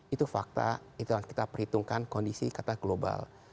itu fakta itu yang kita perhitungkan kondisi kata global